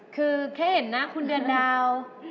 คือแค่เห็นนะคุณเดือนดาว